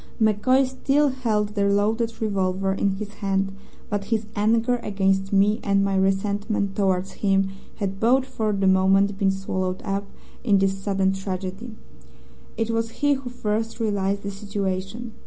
MacCoy still held the loaded revolver in his hand, but his anger against me and my resentment towards him had both for the moment been swallowed up in this sudden tragedy. It was he who first realized the situation.